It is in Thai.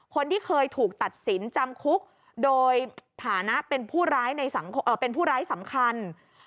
คนที่เคยถูกตัดสินจำคุกโดยฐานะเป็นผู้ร้ายสำคัญ